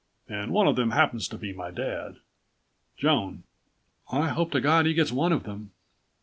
and one of them happens to be my dad. Joan: I hope to God he gets one of them.